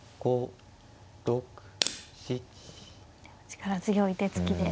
力強い手つきで。